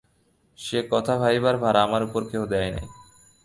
সে কথা ভাবিবার ভার আমার উপর কেহ দেয় নাই।